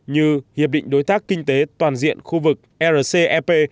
như hiệp định đối tác kinh tế toàn diện khu vực rcep